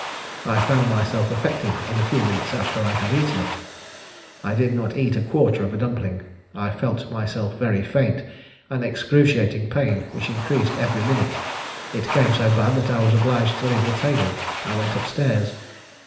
I found myself affected in a few minutes after I had eaten it. I did not eat a quarter of a dumpling. I felt myself very faint an excruciating pain, which increased every minute: it came so bad that I was obliged to leave the table I went up stairs.